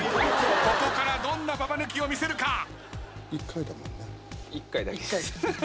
ここからどんなババ抜きを見せるか？